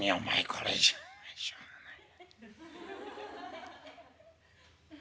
これじゃしょうがない」。